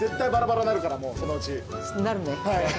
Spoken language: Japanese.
なるね。